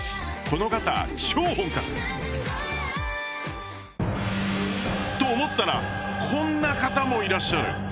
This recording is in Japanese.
この方超本格！と思ったらこんな方もいらっしゃる！